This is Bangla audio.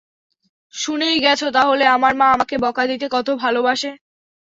শুনেই গেছ তাহলে আমার মা আমাকে বকা দিতে কত ভালোবাসে।